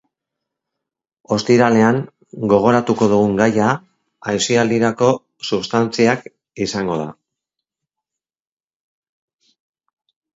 Ostiralean, gogoratuko dugun gaia aisialdirako substantziak izango da.